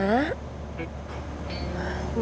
ma kau bengong